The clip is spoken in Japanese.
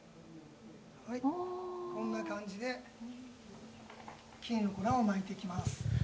こんな感じで金の粉をまいていきます。